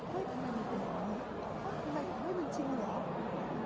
พี่คิดว่าเข้างานทุกครั้งอยู่หรือเปล่า